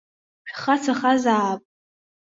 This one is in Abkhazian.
Шәхацәахазаап!